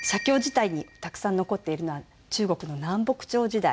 たくさん残っているのは中国の南北朝時代